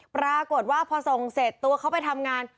ปรากฏว่าพอส่งเสร็จตัวเขาไปทำงาน